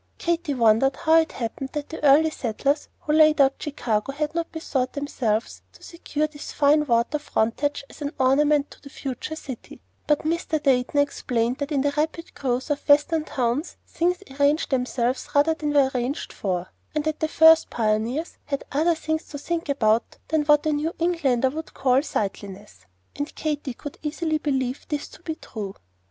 Katy wondered how it happened that the early settlers who laid out Chicago had not bethought themselves to secure this fine water frontage as an ornament to the future city; but Mr. Dayton explained that in the rapid growth of Western towns, things arranged themselves rather than were arranged for, and that the first pioneers had other things to think about than what a New Englander would call "sightliness," and Katy could easily believe this to be true.